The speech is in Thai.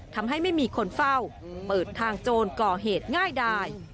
ทำให้ไม่มีคนเฝ้าเปิดทางโจรก่อเหตุง่ายดาย